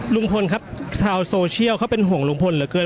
ลุงพลครับชาวโซเชียลเขาเป็นห่วงลุงพลเหลือเกิน